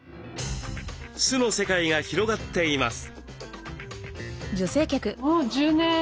酢の世界が広がっています。